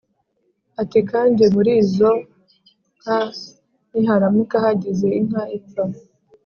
ati: "Kandi muri izo nka niharamuka hagize inka ipfa